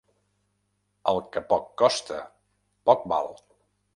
El que poc costa, poc val.